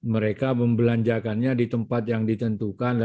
mereka membelanjakannya di tempat yang ditentukan